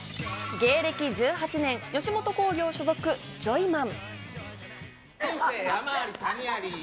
芸歴１８年、吉本興業所属、ジョイマン。